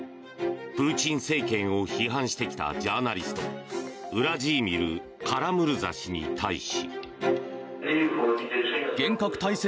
プーチン政権を批判してきたジャーナリストウラジーミル・カラムルザ氏に対し。